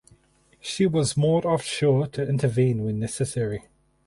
She was moored offshore to intervene when necessary.